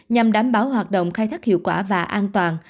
nhằm đảm bảo hoạt động khai thác hiệu quả và an toàn